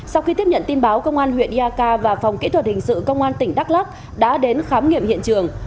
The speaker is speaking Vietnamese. sau khi tiếp nhận tin báo công an huyện yaka và phòng kỹ thuật hình sự công an tỉnh đắk lắc đã đến khám nghiệm hiện trường